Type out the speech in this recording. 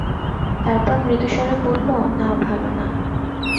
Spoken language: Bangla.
তারপর মৃদুস্বরে বলল, না, ভালো না।